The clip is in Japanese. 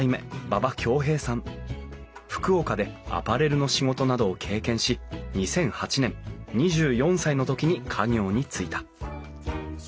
福岡でアパレルの仕事などを経験し２００８年２４歳の時に家業に就いた。